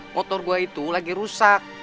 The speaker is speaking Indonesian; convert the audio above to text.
motor gue itu lagi rusak